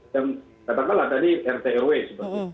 yang katakanlah tadi rt rw seperti itu